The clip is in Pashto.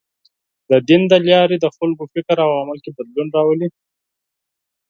د دین له لارې د خلکو فکر او عمل کې بدلون راولي.